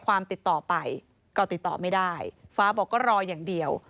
ความติดต่อไปก็ติดต่อไม่ได้ฟ้าบอกก็รออย่างเดียว